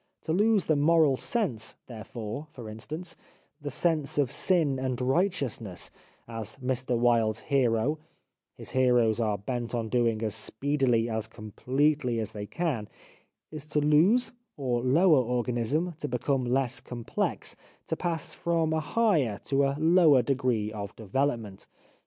To lose the moral sense therefore, for instance, the sense of sin and righteousness, as Mr Wilde's hero — his heroes are bent on doing as speedily, as completely as they can — is to lose, or lower organism, to become less complex, to pass from a higher to a lower degree of development.